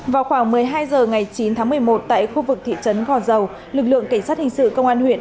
vào khoảng một mươi hai h ngày chín tháng một mươi một tại khu vực thị trấn gò dầu lực lượng cảnh sát hình sự công an huyện